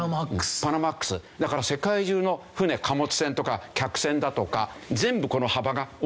だから世界中の船貨物船とか客船だとか全部この幅が同じなんですよ。